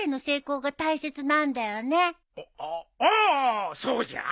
あああそうじゃ。